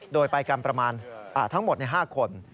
โดยไปกันประมาณทั้งหมด๕คน